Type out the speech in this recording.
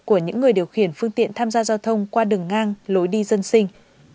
của những người điều khiển phương tiện tham gia giao thông qua đường ngang lối đi dân sinh